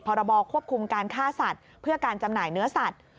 พรบควบคุมการฆ่าสัตว์เพื่อการจำหน่ายเนื้อสัตว์